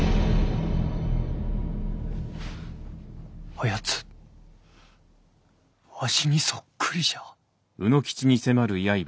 あやつわしにそっくりじゃ。